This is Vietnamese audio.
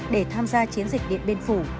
để tham gia chiến dịch điện biên phủ